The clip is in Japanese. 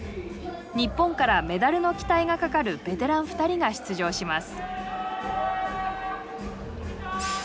日本からメダルの期待がかかるベテラン２人が出場します。